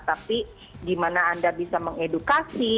tapi gimana anda bisa mengedukasi